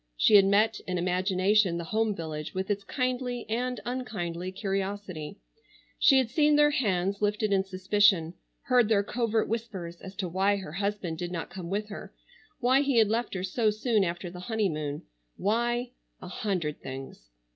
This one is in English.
She had met in imagination the home village with its kindly and unkindly curiosity, she had seen their hands lifted in suspicion; heard their covert whispers as to why her husband did not come with her; why he had left her so soon after the honeymoon; why—a hundred things.